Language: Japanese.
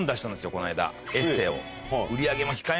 この間エッセーを。